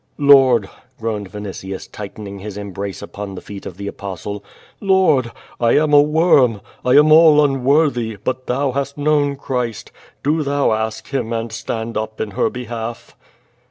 "Lord," groaned Vinitius, tightening his eml)race upon the feet of the Apostle, "Lord! I am a worm. I am all unworthy, but thou hast known Christ. Do Thou ask Him and stand up in her behalf."